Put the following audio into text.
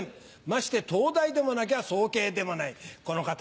まして東大でもなきゃ早慶でもないこの方。